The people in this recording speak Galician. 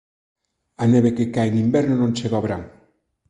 A neve que cae en inverno non chega ó verán